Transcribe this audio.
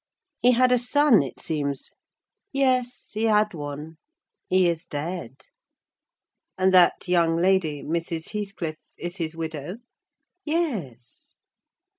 "He had a son, it seems?" "Yes, he had one—he is dead." "And that young lady, Mrs. Heathcliff, is his widow?" "Yes."